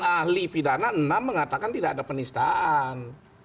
ahli pidana enam mengatakan tidak ada penistaan